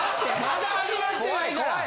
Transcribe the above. まだ始まってないから。